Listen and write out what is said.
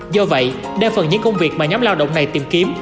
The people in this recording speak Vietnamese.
do vậy đa phần những công việc mà nhóm lao động này tìm kiếm